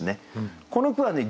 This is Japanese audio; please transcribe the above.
この句はね